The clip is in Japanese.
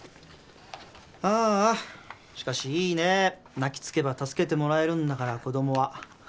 泣きつけば助けてもらえるんだから子供は。